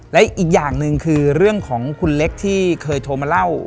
และอีกอย่างหนึ่งคือเรื่องของคุณเล็กที่เคยโทรมาเล่า